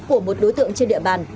của một đối tượng trên địa bàn